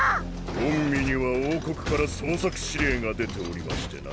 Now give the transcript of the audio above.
御身には王国から捜索指令が出ておりましてな。